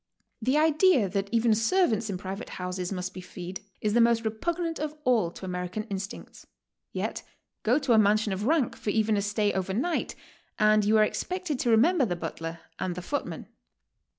The idea that even servants in private houses must be feed, is the most repugnant of all to American instincts. Yet go to a mansion of rank for even a stay over night and you are expected to remember the butler and the footman.